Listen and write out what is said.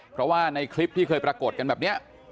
เพราะว่าในคลิปที่เคยปรากฏกันแบบนี้